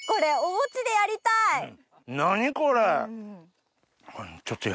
何これ。